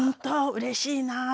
うれしいな。